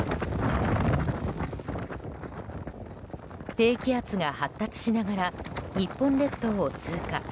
低気圧が発達しながら日本列島を通過。